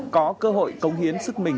có cơ hội cống hiến sức mình